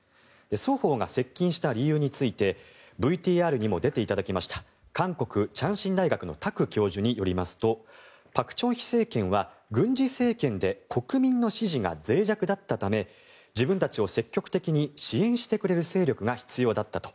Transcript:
双方が接近した理由についてＶＴＲにも出ていただきました韓国・昌信大学のタク教授によりますと朴正煕政権は軍事政権で国民の支持がぜい弱だったため自分たちを積極的に支援してくれる勢力が必要だったと。